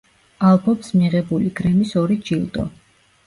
ალბომს მიღებული გრემის ორი ჯილდო.